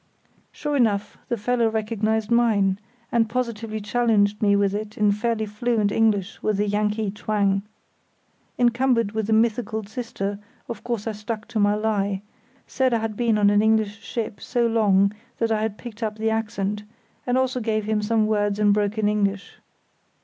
Sure enough, the fellow recognised mine, and positively challenged me with it in fairly fluent English with a Yankee twang. Encumbered with the mythical sister, of course I stuck to my lie, said I had been on an English ship so long that I had picked up the accent, and also gave him some words in broken English.